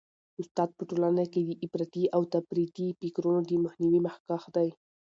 استاد په ټولنه کي د افراطي او تفریطي فکرونو د مخنیوي مخکښ دی.